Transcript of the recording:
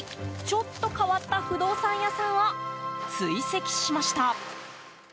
ちょっと変わった不動産屋さんを追跡しました。